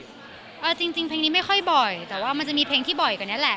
จริงเพลงนี้ไม่ค่อยบ่อยแต่ว่ามันจะมีเพลงที่บ่อยกว่านี้แหละ